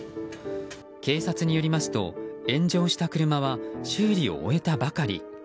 警察によりますと炎上した車は修理を終えたばかり。